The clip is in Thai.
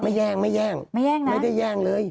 ไม่แย่งไม่ได้แย่งเลย